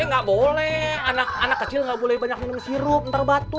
eh gak boleh anak anak kecil gak boleh banyak minum sirup ntar batuk